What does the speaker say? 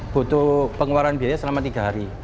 butuh pengeluaran biaya selama tiga hari